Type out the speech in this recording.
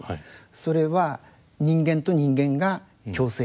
それは人間と人間が共生している。